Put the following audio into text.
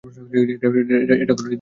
এটা করার এক্তিয়ার আমার নেই।